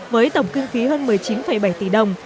với tổng kinh phí hơn một mươi chín bảy tỷ đồng